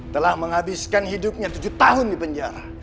telah menghabiskan hidupnya tujuh tahun di penjara